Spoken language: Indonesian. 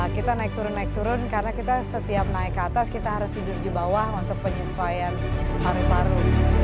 kita naik turun naik turun karena kita setiap naik ke atas kita harus tidur di bawah untuk penyesuaian paru paru